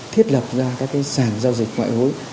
thiết lập ra các sàn giao dịch ngoại hối